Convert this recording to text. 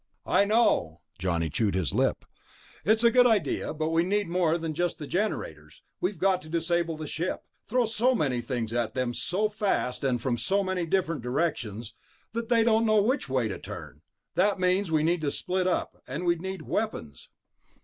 "I know." Johnny chewed his lip. "It's a good idea, but we need more than just the generators. We've got to disable the ship ... throw so many things at them so fast from so many different directions that they don't know which way to turn. That means we'd need to split up, and we'd need weapons."